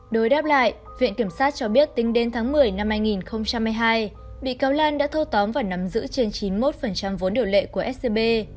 đối đáp lại viện kiểm sát cho biết tính đến tháng một mươi năm hai nghìn hai mươi hai bị cáo lan đã thâu tóm và nắm giữ trên chín mươi một vốn điều lệ của scb